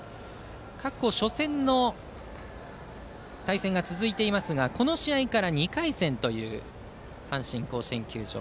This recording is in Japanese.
各校、初戦の対戦が続いていますがこの試合から２回戦という阪神甲子園球場。